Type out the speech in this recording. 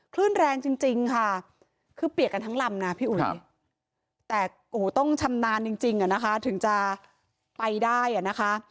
คลื่นแรงจริงค่ะ